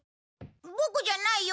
ボクじゃないよ